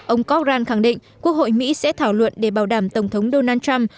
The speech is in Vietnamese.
ông koran khẳng định quốc hội mỹ sẽ thảo luận để bảo đảm tổng thống donald trump